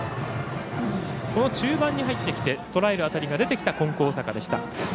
この中盤に入ってきてとらえる当たりが出てきた金光大阪でした。